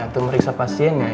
atau meriksa pasiennya